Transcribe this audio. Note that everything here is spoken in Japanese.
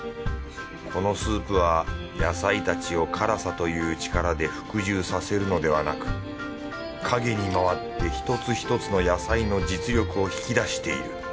このスープは野菜たちを辛さという力で服従させるのではなく陰にまわって一つひとつの野菜の実力を引き出している。